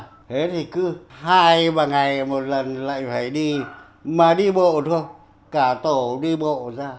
thế thì cứ hai ba ngày một lần lại phải đi mà đi bộ thôi cả tổ đi bộ ra